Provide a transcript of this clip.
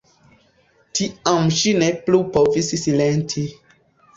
Tiam ŝi ne plu povis silenti.